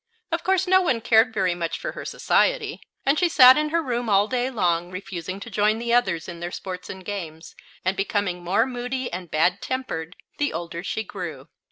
Of course no one cared very much for her society, and she sat in her room all day long, refusing to join the others in their sports and games, and becoming more moody and bad tempered the older she grew.